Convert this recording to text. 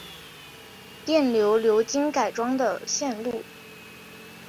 电流流经改装的线路